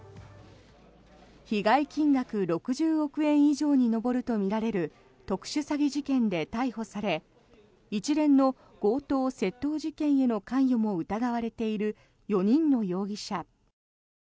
被害金額６０億円以上に上るとみられる特殊詐欺事件で逮捕され一連の強盗・窃盗事件への関与も疑われている４人の容疑者。